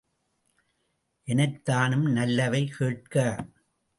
எனைத்தானும் நல்லவை கேட்க!